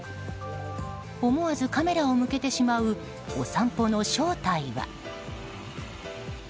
思わずカメラを向けてしまうお散歩の正体は。